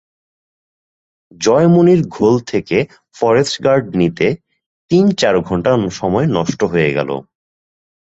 জয়মণিরঘোল থেকে forest guard নিতে তিন-চার ঘণ্টা সময় নষ্ট হয়ে গেল।